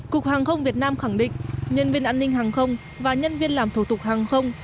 cục hàng không việt nam khẳng định nhân viên an ninh hàng không và nhân viên làm thủ tục hàng không